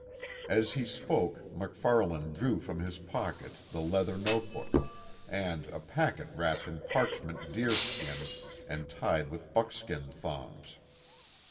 As he spoke MacFarlane drew from his pocket the leather notebook, and a packet wrapped in parchment deer skin and tied with buckskin thongs.